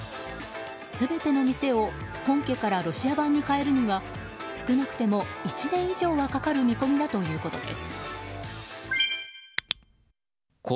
全ての店を本家からロシア版に変えるには少なくとも１年以上がかかる見込みだということです。